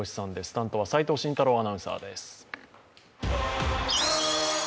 担当は齋藤慎太郎アナウンサーです。